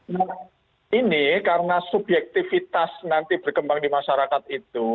nah ini karena subjektivitas nanti berkembang di masyarakat itu